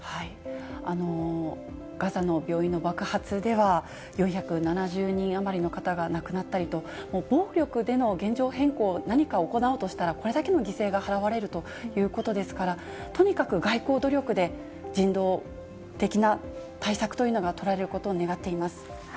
ガザの病院の爆発では、４７０人余りの方が亡くなったりと、暴力での現状変更、何か行おうとしたら、これだけの犠牲が払われるということですから、とにかく外交努力で人道的な対策というのが取られることを願っています。